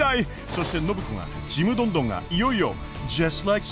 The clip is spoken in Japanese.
そして暢子がちむどんどんがいよいよ。